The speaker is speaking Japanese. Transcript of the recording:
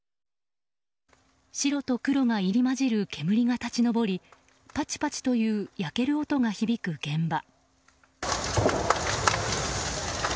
白と黒が入り混じる煙が立ち上りパチパチという焼ける音が響く現場。